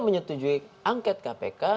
menyetujui angket kpk